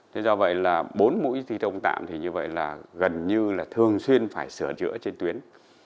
thế do vậy là bốn mũi thi công tạm thì như vậy là gần như là thường xuyên phải sửa chữa trên tuyến